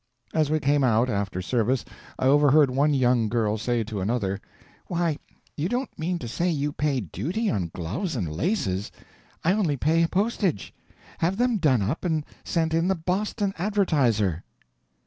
As we came out, after service, I overheard one young girl say to another: "Why, you don't mean to say you pay duty on gloves and laces! I only pay postage; have them done up and sent in the Boston Advertiser."